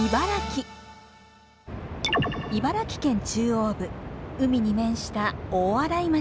茨城県中央部海に面した大洗町。